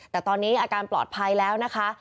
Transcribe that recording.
แต่ตอนนี้อาการปลอดภัยแล้วนะคะ